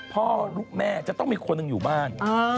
พ่อลูกแม่จะต้องมีคนหนึ่งอยู่บ้าน